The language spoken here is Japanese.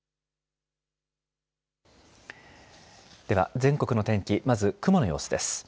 では全国の天気、まず雲の様子です。